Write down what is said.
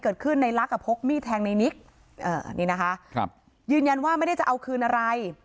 เกิดขึ้นในลักษณ์พกมีดแทงในนิกนี่นะคะครับยืนยันว่าไม่ได้จะเอาคืนอะไร